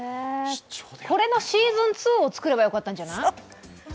これのシーズン２を作ればよかったんじゃない？